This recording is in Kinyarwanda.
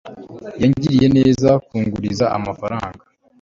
yangiriye neza kunguriza amafaranga